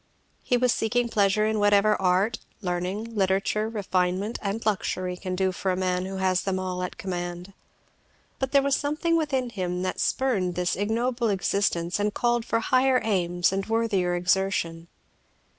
He was seeking pleasure in whatever art, learning, literature, refinement, and luxury can do for a man who has them all at command; but there was something within him that spurned this ignoble existence and called for higher aims and worthier exertion.